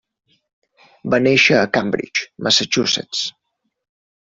Va néixer a Cambridge, Massachusetts.